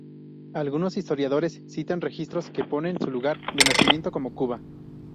Algunos historiadores citan registros que ponen su lugar de nacimiento como Cuba.